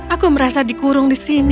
aku merasa dikurung di sini